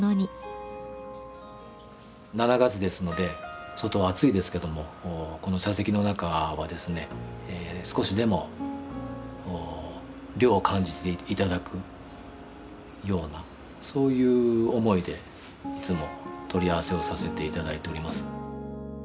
７月ですので外は暑いですけどもこの茶席の中はですね少しでも涼を感じて頂くようなそういう思いでいつも取り合わせをさせて頂いております。